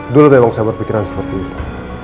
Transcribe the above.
dulu memang saya berpikiran seperti itu